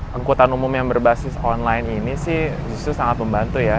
angkutan umum yang berbasis online ini sih justru sangat membantu ya